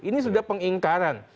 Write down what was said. ini sudah pengingkaran